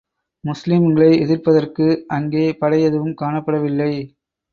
முஸ்லிம்களை எதிர்ப்பதற்கு அங்கே படை எதுவும் காணப்படவில்லை.